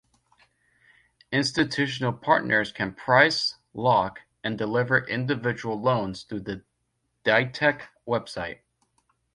Institutional partners can price, lock and deliver individual loans through the Ditech website.